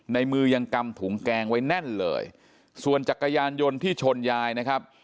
ในมือยังกำถุงแกงไว้แน่นเลยส่วนจักรยานยนต์ที่ชนยายนะครับ